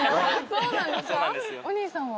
そうなんですよ。